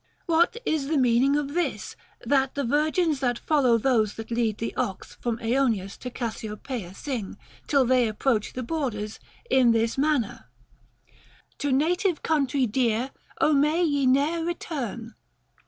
What is the meaning of this, that the virgins that follow those that lead the ox from Aenos to Cassiopaea sing, till they approach the borders, in this manner, To native country dear Ο may ye ne'er return